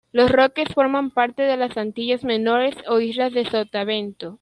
Los Roques forman parte de las Antillas Menores o Islas de Sotavento.